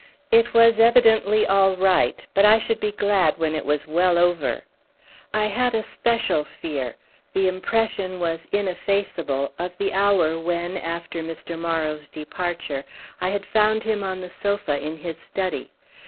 It was evidently all right, but I should be glad when it was well over. I had a special fear—the impression was ineffaceable of the hour when, after Mr. Morrow's departure, I had found him on the sofa in his study.